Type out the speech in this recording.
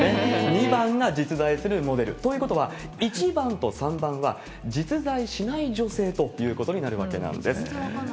２番が実在するモデル。ということは、１番と３番は実在しない女性ということになるわけなんです。